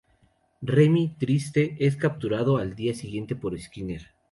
Remy, triste, es capturado al día siguiente por Skinner.